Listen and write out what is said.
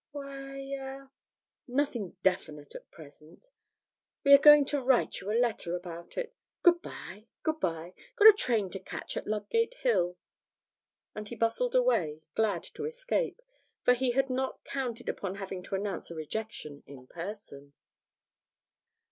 'Why er nothing definite at present. We are going to write you a letter about it. Good bye, good bye! Got a train to catch at Ludgate Hill.' And he bustled away, glad to escape, for he had not counted upon having to announce a rejection in person.